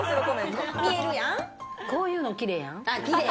こういうのキレイやん！